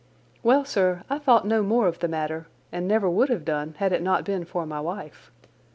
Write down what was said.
"Well, sir, I thought no more of the matter, and never would have done had it not been for my wife.